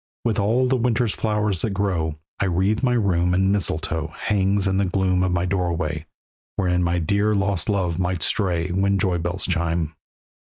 With all the winter's flowers that grow I wreathed my room, and mistletoe Hung in the gloom of my doorway, Wherein my dear lost love might stray When joy bells chime.